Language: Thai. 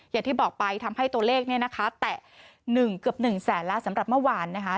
อย่างที่บอกไปทำให้ตัวเลขเนี่ยนะคะแตะ๑เกือบ๑แสนแล้วสำหรับเมื่อวานนะคะ